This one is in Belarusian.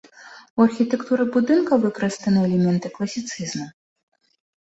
У архітэктуры будынка выкарыстаны элементы класіцызму.